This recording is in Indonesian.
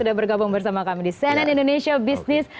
sudah bergabung bersama kami di cnn indonesia business